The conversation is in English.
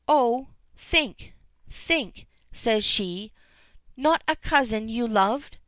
"Oh, think think," says she. "Not a cousin you loved?